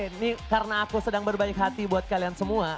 ini karena aku sedang berbanyak hati buat kalian semua